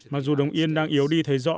mặc dù đồng yên đang yếu đi thấy rõ